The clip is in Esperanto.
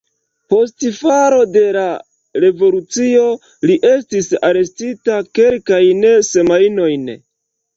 Post falo de la revolucio li estis arestita kelkajn semajnojn.